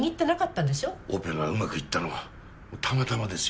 オペがうまくいったのはたまたまですよ。